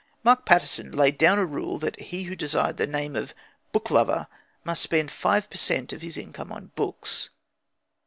Mark Pattison laid down a rule that he who desired the name of book lover must spend five per cent. of his income on books.